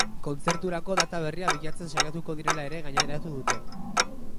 Kontzerturako data berria bilatzen saiatuko direla ere gaineratu dute.